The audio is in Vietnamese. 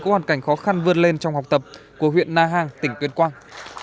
của hoàn cảnh khó khăn vượt lên trong học tập của huyện na hàng tỉnh tuyên quang